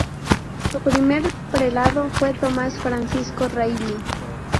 Su primer prelado fue Tomás Francisco Reilly.